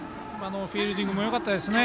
フィールディングもよかったですね。